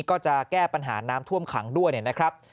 ก็จะแก้ปัญหาน้ำท่วมขังด้วยนะครับ